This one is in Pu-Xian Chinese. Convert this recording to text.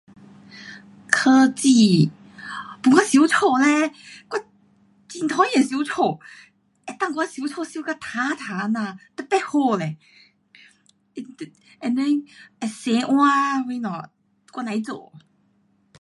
科技，帮我收家嘞，我很讨厌收家。能够跟我收家收到净净这样，特别好嘞，你，and then 会洗碗什么，我甭做。